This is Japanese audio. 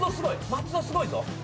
松尾すごいぞ！